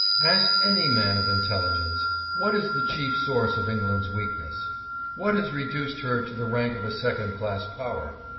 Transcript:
Ask any man of intelligence, " What is the chief source of England's weakness ? What has reduced her to the rank of a second class power?"